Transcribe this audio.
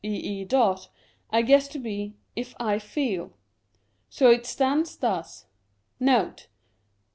ee,y I guess to be, if I feel. So it stands thus :—* Note.